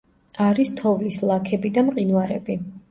არის თოვლის ლაქები და მყინვარები.